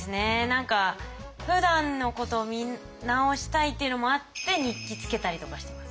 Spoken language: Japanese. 何かふだんのこと見直したいっていうのもあって日記つけたりとかしてます。